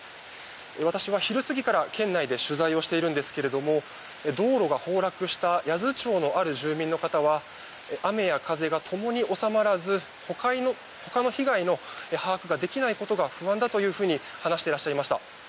私は昼過ぎから県内で取材をしているんですけど道路が崩落した八頭町のある住民の方は雨や風が共に収まらず他の被害の把握ができないことが不安だというふうに話していました。